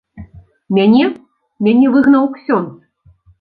Мяне, мяне выгнаў ксёндз.